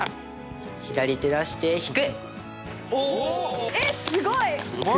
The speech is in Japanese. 左手出して引く！